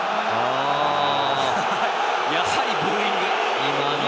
やはりブーイング。